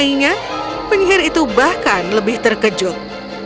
tidak mengenainya penyihir itu bahkan lebih terkejut